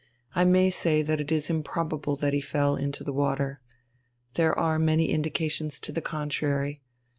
I may say that it is improbable that he fell into the water. There are many indications to the contrary.